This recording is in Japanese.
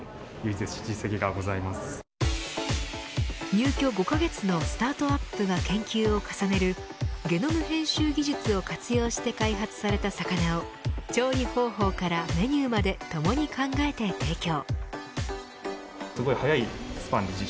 入居５カ月のスタートアップが研究を重ねるゲノム編集技術を活用して開発された魚を調理方法からメニューまでともに考えて提供。